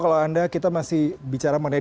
kalau anda kita masih bicara mengenai